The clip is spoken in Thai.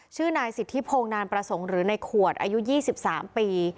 ชื่อนายสิทธิโพงนานประสงค์หรือในขวดอายุยี่สิบสามปี